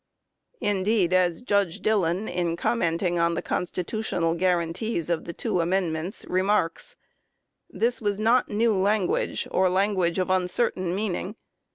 Indeed, as Judge Dillon, in commenting on the constitutional guaranties of the two Amendments, remarks: "This was not new language, or language of uncertain meaning.